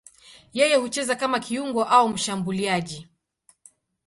Yeye hucheza kama kiungo au mshambuliaji.